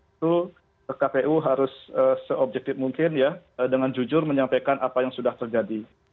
itu kpu harus seobjektif mungkin ya dengan jujur menyampaikan apa yang sudah terjadi